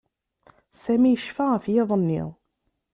Sami yecfa ɣef yiḍ-nni.